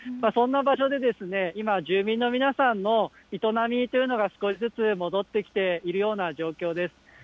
そんな場所で今、住民の皆さんの営みというのが少しずつ戻ってきているような状況です。